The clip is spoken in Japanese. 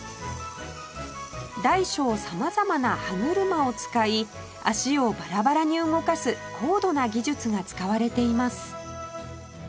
大小様々な歯車を使い脚をバラバラに動かす高度な技術が使われています